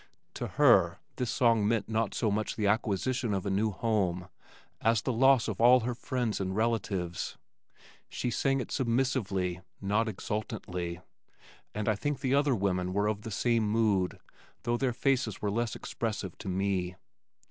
To her this song meant not so much the acquisition of a new home as the loss of all her friends and relatives. She sang it submissively, not exultantly, and I think the other women were of the same mood though their faces were less expressive to me.